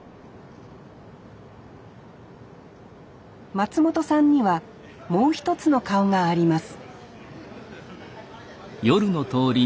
松本さんにはもう一つの顔があります